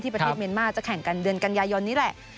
ประเทศเมียนมาร์จะแข่งกันเดือนกันยายนนี้แหละ